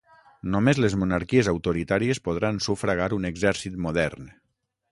Només les monarquies autoritàries podran sufragar un exèrcit modern.